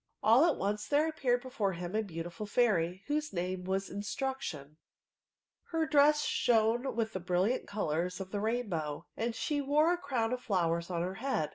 All at once there appeared before him a beaatifiil fauy, whose name was Instruction* Her dress Bhone with the brilliant colours of the rain bow, and she wore a crown of flowers on her head.